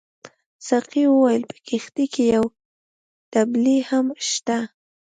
ساقي وویل په کښتۍ کې یو دبلۍ هم شته.